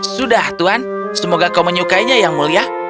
sudah tuhan semoga kau menyukainya yang mulia